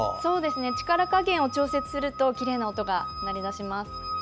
力加減を調節するときれいな音が鳴りだします。